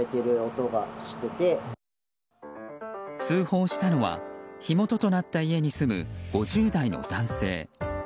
通報したのは火元となった家に住む５０代の男性。